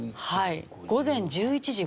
午前１１時５８分。